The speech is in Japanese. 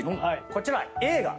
こちら映画。